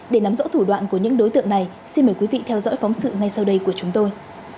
để nắm rõ thủ đoạn của những đối tượng này xin mời quý vị theo dõi phóng sự ngay sau đây của chúng tôi